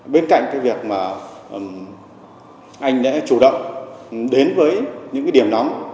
bên cạnh việc anh đã chủ động đến với những điểm nóng